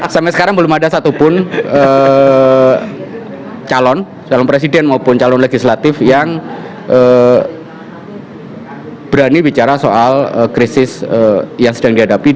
sampai sekarang belum ada satupun calon calon presiden maupun calon legislatif yang berani bicara soal krisis yang sedang dihadapi